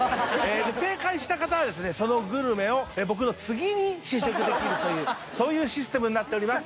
正解した方はそのグルメを僕の次に試食できるというそういうシステムになっております。